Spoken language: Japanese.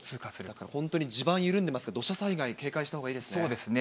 だから本当に地盤緩んでいますので、土砂災害、警戒したほうがいいですね。